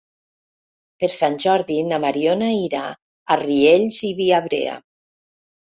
Per Sant Jordi na Mariona irà a Riells i Viabrea.